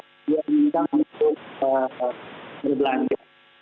apa yang dianggap untuk berbelanja